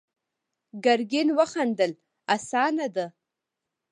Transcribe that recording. ګرګين وخندل: اسانه ده.